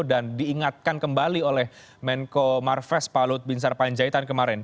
dan diingatkan kembali oleh menko marves palut binsar panjaitan kemarin